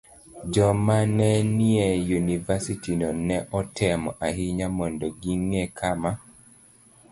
Josomo ma ne nie yunivasitino ne otemo ahinya mondo ging'e kama